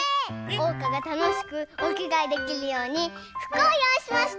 おうかがたのしくおきがえできるようにふくをよういしました！